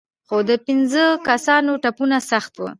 خو د پنځو کسانو ټپونه سخت وو.